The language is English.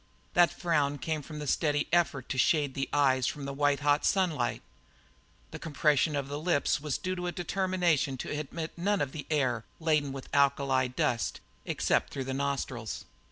That frown came from the steady effort to shade the eyes from the white hot sunlight; the compression of the lips was due to a determination to admit none of the air, laden with alkali dust, except through the nostrils.